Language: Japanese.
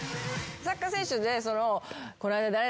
サッカー選手って。